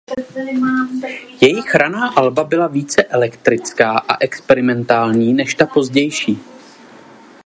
Jejich raná alba byla více elektrická a experimentální než ta pozdější.